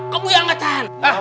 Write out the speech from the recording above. kau buang angkatan pak